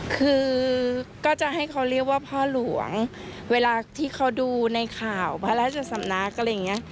คือก็จะให้เขาเรียกว่าพ่อหลวงเวลาที่เขาดูในข่าวพระราชสำนักอะไรอย่างนี้